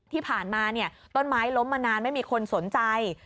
ที่ผ่านมาต้นไม้ล้มมานานไม่มีคนสนใจ